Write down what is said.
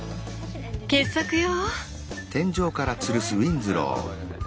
傑作よ！